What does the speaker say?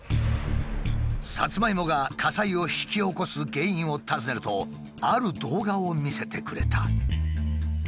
サツマイモが火災を引き起こす原因を尋ねるとある動画を見せてくれた。